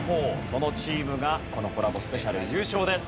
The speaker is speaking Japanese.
そのチームがこのコラボスペシャル優勝です。